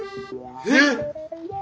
えっ！？